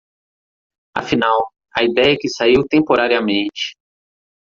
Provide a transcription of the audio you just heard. Afinal, a ideia que saiu temporariamente